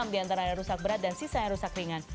enam di antara yang rusak berat dan sisa yang rusak ringan